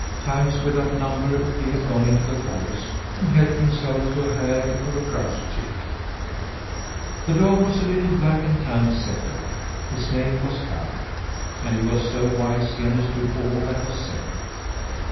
Times without number he had gone into the forest and helped himself to a hare or a grouse chick. The dog was a little black and tan setter. His name was Karr, and he was so wise he understood all that was said.